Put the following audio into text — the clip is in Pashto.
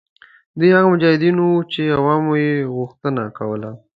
دوی هغه مجاهدین وه چې عوامو یې غوښتنه کوله.